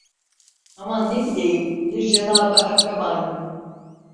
Ama ne bileyim, bir Cenabı Hakka malum.